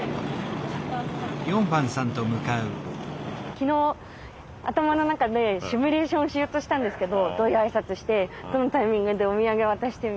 昨日頭の中でシミュレーションしようとしたんですけどどういう挨拶してどのタイミングでお土産渡してみたいな。